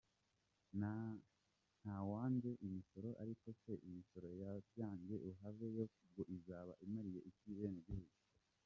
Ntawanze imisoro ariko se imisoro ya byange uhave yo ubwo izaba imariye iki abenegihugu?